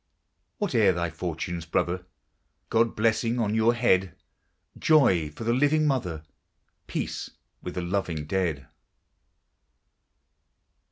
Whate'er thy fortunes, brother! God's blessing on your head; Joy for the living mother, Peace with the loving dead.